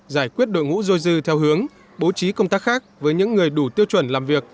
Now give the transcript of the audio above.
giải quyết đội ngũ dôi dư theo hướng bố trí công tác khác với những người đủ tiêu chuẩn làm việc